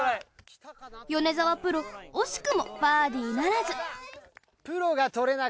米澤プロ惜しくもバーディーならず。